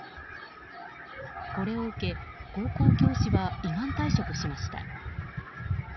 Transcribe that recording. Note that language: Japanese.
これを受け高校教師は依願退職しました。